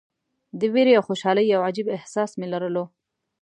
د ویرې او خوشالۍ یو عجیب احساس مې لرلو.